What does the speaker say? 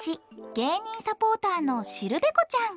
芸人サポーターのしるべこちゃん。